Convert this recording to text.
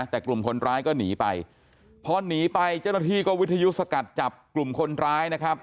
แต่กลุ่มคนร้ายก็หนีไปพอหนีไปเจ้าหน้าที่ก็วิทยุสกัดจับกลุ่มคนร้ายนะครับ